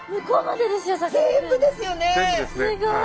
すごい。